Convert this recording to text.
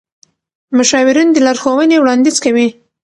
مشاورین د لارښوونې وړاندیز کوي.